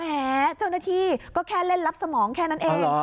เจ้าหน้าที่ก็แค่เล่นรับสมองแค่นั้นเอง